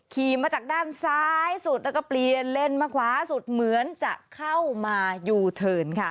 ขี่มาจากด้านซ้ายสุดแล้วก็เปลี่ยนเลนมาขวาสุดเหมือนจะเข้ามายูเทิร์นค่ะ